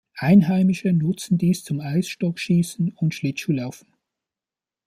Einheimische nutzen dies zum Eisstockschießen und Schlittschuhlaufen.